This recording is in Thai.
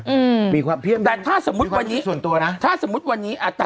อืมมีความเพี้ยงภูมิส่วนตัวนะถ้าสมมติวันนี้อ่า